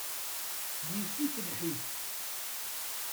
Yif-it lḥif.